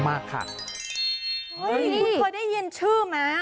เฮ้ยคุณเคยได้ยินชื่อมั้ย